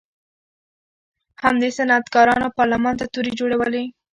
همدې صنعتکارانو پارلمان ته تورې جوړولې.